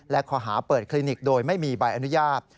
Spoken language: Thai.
และข้อหาเปิดคลินิกโดยไม่มีใบอนุญาต